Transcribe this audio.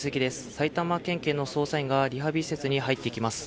埼玉県警の捜査員がリハビリ施設に入ってきます